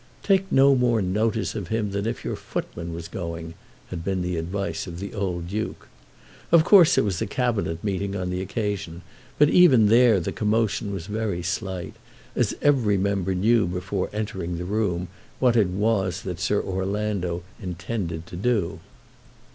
"Take no more notice of him than if your footman was going," had been the advice of the old Duke. Of course there was a Cabinet meeting on the occasion, but even there the commotion was very slight, as every member knew before entering the room what it was that Sir Orlando intended to do.